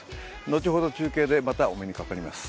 後ほど中継でまたお目にかかります。